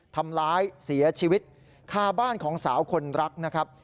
ทำร้ายเสียชีวิตคาบ้านของสาวคนรักนะครับ